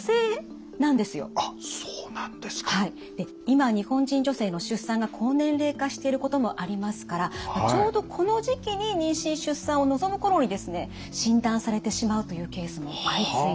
今日本人女性の出産が高年齢化していることもありますからちょうどこの時期に妊娠・出産を望む頃にですね診断されてしまうというケースも相次いでいるんです。